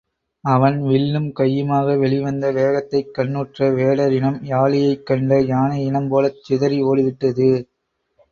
அவன் வில்லும் கையுமாக வெளிவந்த வேகத்தைக் கண்ணுற்ற வேடர் இனம், யாளியைக் கண்ட யானை இனம்போலச் சிதறி ஓடிவிட்டது.